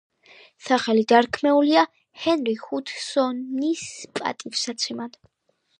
სახელი დარქმეულია ჰენრი ჰუდსონის პატივსაცემად.